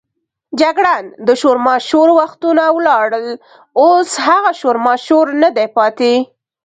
جګړن: د شورماشور وختونه ولاړل، اوس هغه شورماشور نه دی پاتې.